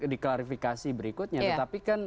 diklarifikasi berikutnya tetapi kan